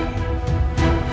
kapan dinda akan berkenan